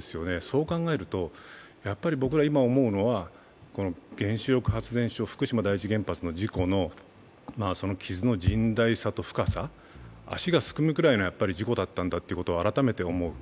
そう考えると僕ら今思うのは原子力発電所、福島第一原発の事故の傷の甚大さと深さ、足がすくむぐらいの事故だったんだと改めて思う。